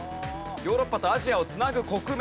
ヨーロッパとアジアを繋ぐ国名。